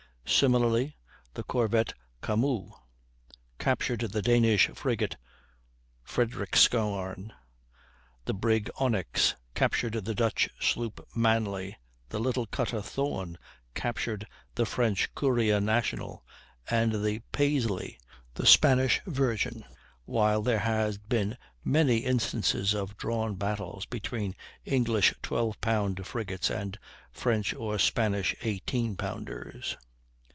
Similarly, the corvette Comus captured the Danish frigate Fredrickscoarn, the brig Onyx captured the Dutch sloop Manly, the little cutter Thorn captured the French Courier National, and the Pasly the Spanish Virgin; while there had been many instances of drawn battles between English 12 pound frigates and French or Spanish 18 pounders.